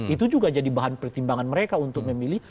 itu juga jadi bahan pertimbangan mereka untuk memilih